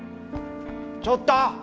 ちょっと！